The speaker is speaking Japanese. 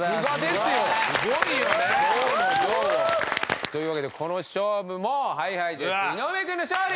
すごいよね！というわけでこの勝負もＨｉＨｉＪｅｔｓ井上君の勝利。